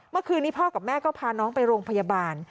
เมื่อคืนนี้พ่อกับแม่ก็พาน้องไปโรงพยาบาล